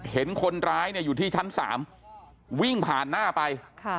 เห็นคนร้ายอยู่ที่ชั้น๓วิ่งผ่านหน้าไป